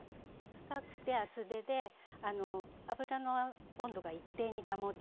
深くて厚手で油の温度が一定に保てて。